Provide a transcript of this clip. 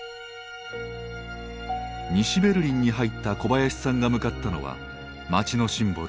西ベルリンに入った小林さんが向かったのは街のシンボル